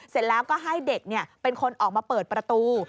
เสร็จแล้วก็ให้เด็กเป็นคนออกมาเปิดประตู